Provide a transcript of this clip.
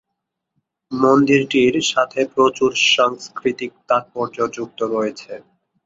মন্দিরটির সাথে প্রচুর সাংস্কৃতিক তাৎপর্য যুক্ত রয়েছে।